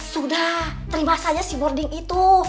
sudah terima saja broding itu